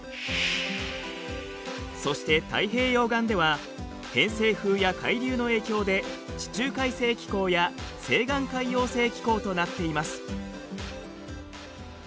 そして太平洋岸では偏西風や海流の影響で地中海性気候や西岸海洋性気候となっています。